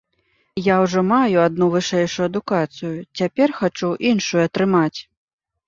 Я ўжо маю адну вышэйшую адукацыю, цяпер хачу іншую атрымаць.